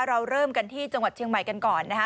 เราเริ่มกันที่จังหวัดเชียงใหม่กันก่อนนะคะ